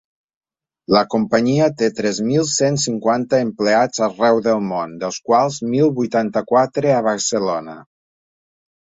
La companyia té tres mil cent cinquanta empleats arreu del món, dels quals mil vuitanta-quatre a Barcelona.